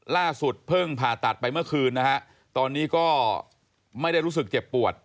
ล่าสุดเพิ่งผ่าตัดไปเมื่อคืนนะฮะตอนนี้ก็ไม่ได้รู้สึกเจ็บปวด